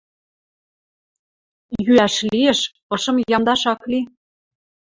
Йӱӓш лиэш, ышым ямдаш ак ли.